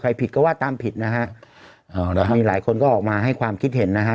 ผิดก็ว่าตามผิดนะฮะมีหลายคนก็ออกมาให้ความคิดเห็นนะฮะ